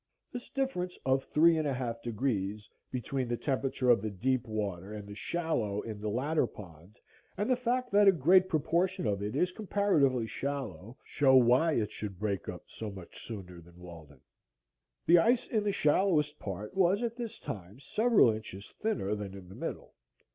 This difference of three and a half degrees between the temperature of the deep water and the shallow in the latter pond, and the fact that a great proportion of it is comparatively shallow, show why it should break up so much sooner than Walden. The ice in the shallowest part was at this time several inches thinner than in the middle.